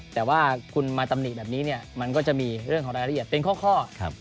แต่ว่าคุณมาตำหนิแบบนี้เนี่ยมันก็จะมีเรื่องของรายละเอียดเป็นข้อ